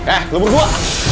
eh lo berdua